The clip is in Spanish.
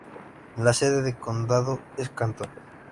La sede de condado es Clanton.